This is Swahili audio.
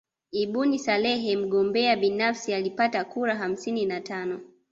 Ibuni Saleh mgombea binafsi alipata kura hamsini na tano